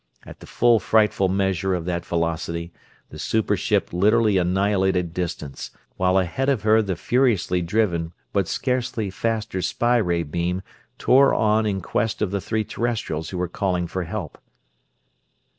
At the full frightful measure of that velocity the super ship literally annihilated distance, while ahead of her the furiously driven, but scarcely faster spy ray beam tore on in quest of the three Terrestrials who were calling for help.